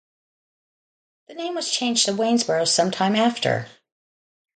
The name was changed to Waynesboro sometime after.